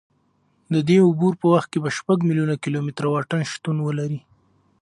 د دې عبور په وخت کې به شپږ میلیونه کیلومتره واټن شتون ولري.